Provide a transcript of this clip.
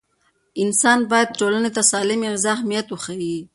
انسان باید ټولنې ته د سالمې غذا اهمیت وښيي.